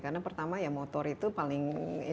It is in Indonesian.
karena pertama motor itu paling